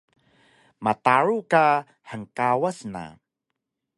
Mataru ka hngkawas na